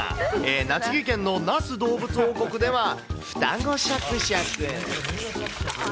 栃木県の那須どうぶつ王国では、双子しゃくしゃく。